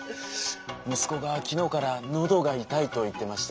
息子が昨日から喉が痛いと言ってまして。